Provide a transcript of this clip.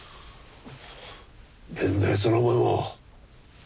変なやつだなお前も。